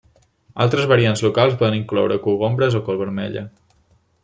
Altres variants locals poden incloure cogombres o col vermella.